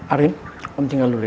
arin om tinggal dulu ya